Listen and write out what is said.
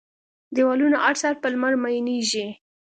دیوالونه، هر سهار په لمر میینیږې